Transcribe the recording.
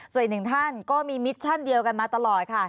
ส่วนอีกหนึ่งท่านก็มีมิชชั่นเดียวกันมาตลอดค่ะ